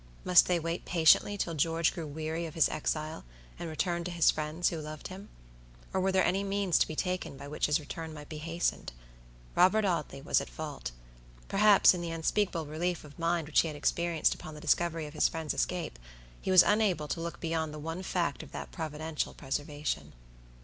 Must they wait patiently till George grew weary of his exile, and returned to his friends who loved him? or were there any means to be taken by which his return might be hastened? Robert Audley was at fault! Perhaps, in the unspeakable relief of mind which he had experienced upon the discovery of his friend's escape, he was unable to look beyond the one fact of that providential preservation.